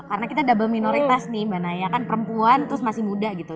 karena kita double minoritas nih mbak naya kan perempuan terus masih muda gitu